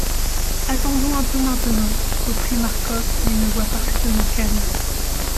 Attendons un peu maintenant, reprit Marcof d'une voix parfaitement calme.